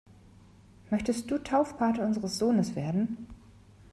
Möchtest du Taufpate unseres Sohnes werden?